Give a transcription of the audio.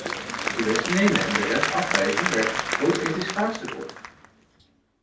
De besten nemen en de rest afwijzen werpt een groot ethisch vraagstuk op.